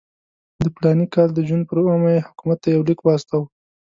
د فلاني کال د جون پر اوومه یې حکومت ته یو لیک واستاوه.